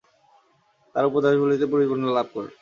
তার উপদেশাবলীতে পরিপূর্ণতা লাভ করেন।